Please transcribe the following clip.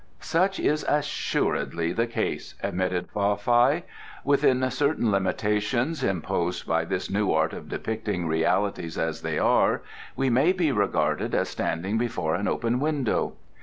"Such is assuredly the case," admitted Fa Fai. "Within certain limitations, imposed by this new art of depicting realities as they are, we may be regarded as standing before an open window.